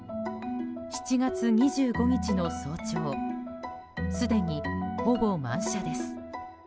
７月２５日の早朝すでに、ほぼ満車です。